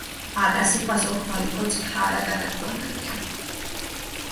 აკა სიტყვას ორხვალი კოც ქაარაგადაფუანანია.